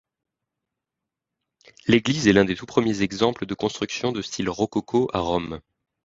L'église est l'un des tout premiers exemples de construction de style rococo à Rome.